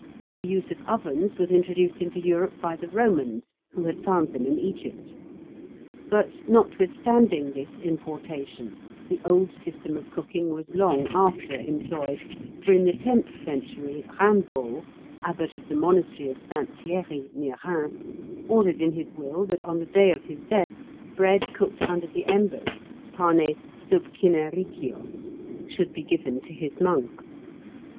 The use of ovens was introduced into Europe by the Romans, who had found them in Egypt. But, notwithstanding this importation, the old system of cooking was long after employed, for in the tenth century Raimbold, abbot of the monastery of St. Thierry, near Rheims, ordered in his will that on the day of his death bread cooked under the embers panes subcinericios should be given to his monks.